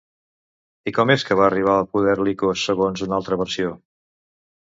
I com és que va arribar al poder Licos, segons una altra versió?